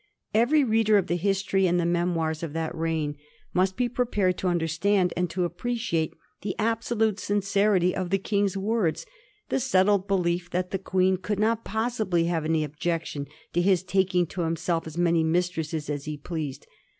Every reader of the his tory and the memoirs of that reign must be prepared to understand and to appreciate the absolute sincerity of the King's words; the settled belief that the Queen could not possibly have any objection to his taking to himself as many mistresses as he pleased.